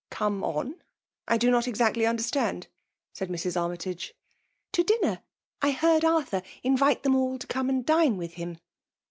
'Come on ? I do not exactly understand^'* said Mrs. Armytage. '' To dinner. I heard Arthfiz invite them all to come and dine with lum."